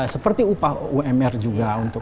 seperti upah umr juga